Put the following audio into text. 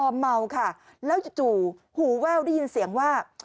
พอเมาค่ะแล้วจู่หูแว่วได้ยินเสียงว่า